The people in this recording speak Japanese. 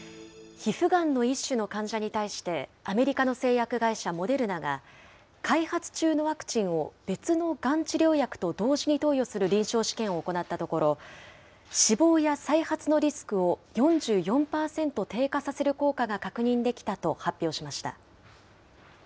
皮膚がんの一種の患者に対して、アメリカの製薬会社、モデルナが、開発中のワクチンを別のがん治療薬と同時に投与する臨床試験を行ったところ、死亡や再発のリスクを４４％低下させる効果が確認できたと発表しました。